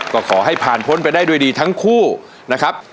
ก็ขอให้ผ่านพ้นไปได้ด้วยดีทั้งคู่นะครับ